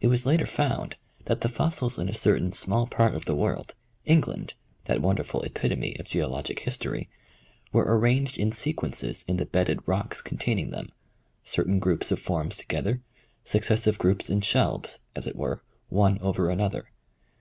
It was later found that the fossils in a certain small part of the world, England — that wonderful epitome of geologic history — were arranged in sequences in the bedded rocks containing them, certain groups of forms together, successive groups in shelves, as it were, one over another.